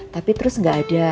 tapi terus gak ada